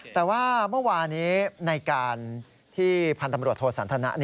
แต่ว่าเมื่อวานี้ในการที่พันธุ์ตำรวจโทสันทนะ